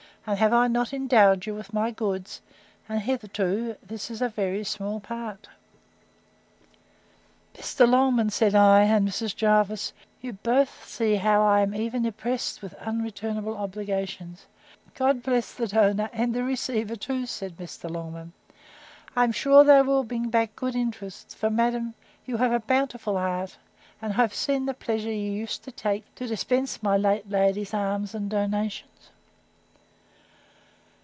And have I not endowed you with my goods; and, hitherto, this is a very small part. Mr. Longman, said I, and Mrs. Jervis, you both see how I am even oppressed with unreturnable obligations. God bless the donor, and the receiver too! said Mr. Longman: I am sure they will bring back good interest; for, madam, you had ever a bountiful heart; and I have seen the pleasure you used to take to dispense my late lady's alms and donations.